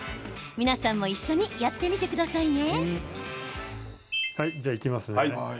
皆さんも一緒にやってみてくださいね。